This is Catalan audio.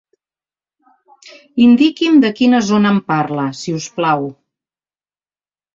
Indiqui'm de quina zona em parla, si us plau.